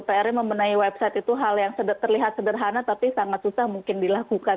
pr nya membenahi website itu hal yang terlihat sederhana tapi sangat susah mungkin dilakukan